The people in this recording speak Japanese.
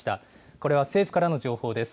これは政府からの情報です。